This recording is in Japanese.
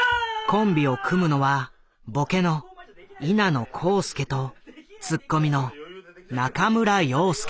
コンビを組むのはボケのいなのこうすけとツッコミの中村陽介。